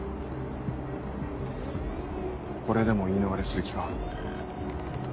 これでも言い逃れする気か？